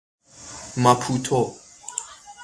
ماپوتو